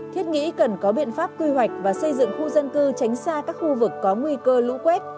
thiết nghĩ cần có biện pháp quy hoạch và xây dựng khu dân cư tránh xa các khu vực có nguy cơ lũ quét